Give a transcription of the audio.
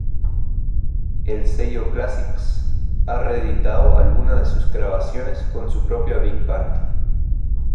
El sello Classics, ha reeditado algunas de sus grabaciones con su propia big band.